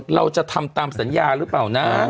เราจะทำตามสัญญาหรือเปล่านะ